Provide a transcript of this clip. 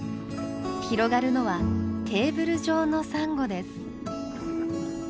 広がるのはテーブル状のサンゴです。